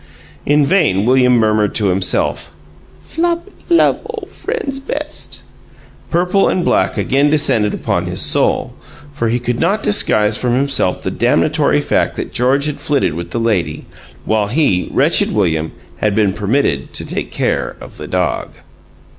In vain William murmured to himself, "Flopit love ole friends best." Purple and black again descended upon his soul, for he could not disguise from himself the damnatory fact that George had flitted with the lady, while he, wretched William, had been permitted to take care of the dog!